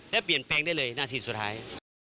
แล้วเปลี่ยนแปลงได้เลยหน้าสิทธิ์สุดท้าย